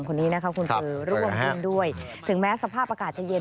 คนนี้นะคะคุณเบอร์ร่วมกันด้วยถึงแม้สภาพอากาศเย็นเย็น